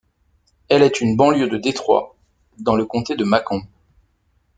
Elle est une banlieue de Détroit, dans le comté de Macomb.